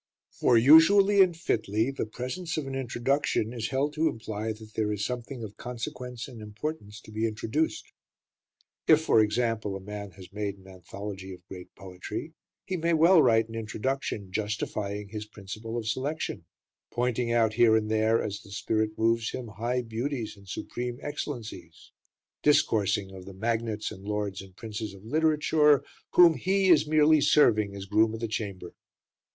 For, usually and fitly, the presence of an introduction is held to imply that there is something of consequence and importance to be introduced. If, for example, a man has made an anthology of great poetry, he may well write an introduction justifying his principle of selection, pointing out here and there, as the spirit moves him, high beauties and supreme excellencies, discoursing of the magnates and lords and princes of literature, whom he is merely serving as groom of the chamber.